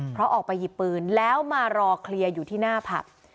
เพราะออกไปหยิบปืนแล้วมารอเคลียร์อยู่ที่หน้าผับ